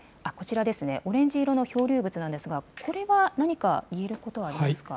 オレンジ色の漂流物ですがこれは何か言えることはありますか。